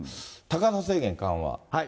高さ制限緩和。